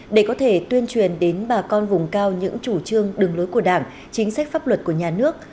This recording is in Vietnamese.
để có thể tuyên truyền đến bà con vùng cao những chủ trương đường lối của đảng chính sách pháp luật của nhà nước